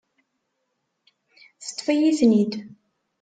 Teṭṭef-iyi-ten-id.